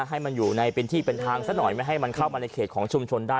ให้มันอยู่ในเป็นที่เป็นทางซะหน่อยไม่ให้มันเข้ามาในเขตของชุมชนได้